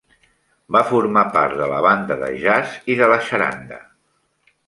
Va formar part de la banda de jazz i de la xaranga.